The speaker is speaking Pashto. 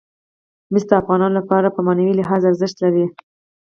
مس د افغانانو لپاره په معنوي لحاظ ارزښت لري.